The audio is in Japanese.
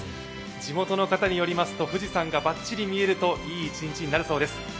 地元の方によりますと富士山がバッチリ見えるといい一日になるそうです。